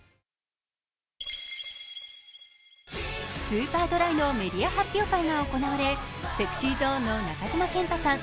スーパードライのメディア発表会が行われＳｅｘｙＺｏｎｅの中島健人さん